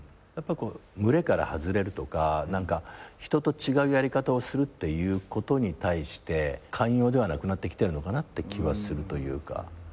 群れから外れるとか人と違うやり方をするっていうことに対して寛容ではなくなってきてるのかなって気はするというか。